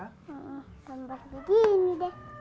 gambar begini deh